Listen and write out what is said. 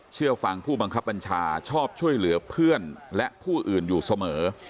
เชื่อฟังผู้บังคับบัญชาชอบช่วยเหลือเพื่อนและผู้อื่นอยู่เสมอ